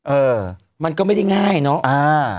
เออมันก็ไม่ได้ง่ายเนาะ